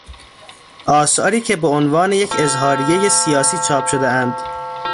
آثاری که به عنوان یک اظهاریهی سیاسی چاپ شدهاند